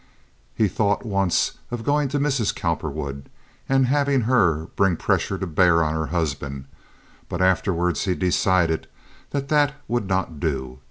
He thought once of going to Mrs. Cowperwood and having her bring pressure to bear on her husband, but afterwards he decided that that would not do.